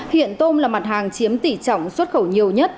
hiện tôm là mặt hàng chiếm tỷ trọng xuất khẩu nhiều nhất